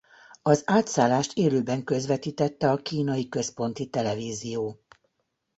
Az átszállást élőben közvetítette a Kínai Központi Televízió.